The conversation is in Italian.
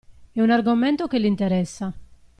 È un argomento che li interessa.